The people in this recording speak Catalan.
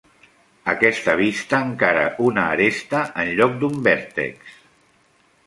Aquesta vista encara una aresta en lloc d’un vèrtex.